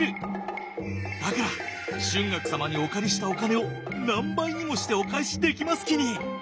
だから春嶽様にお借りしたお金を何倍にもしてお返しできますきに。